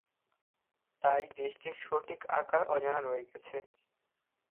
তাই দেশটির সঠিক আকার অজানা রয়ে গেছে।